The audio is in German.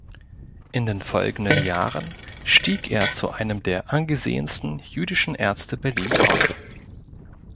In den folgenden Jahren stieg er zu einem der angesehensten jüdischen Ärzte Berlins auf.